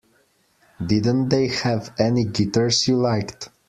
Didn't they have any guitars you liked?